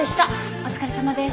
お疲れさまです。